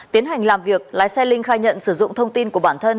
tiến hành làm việc lái xe linh khai nhận sử dụng thông tin của bản thân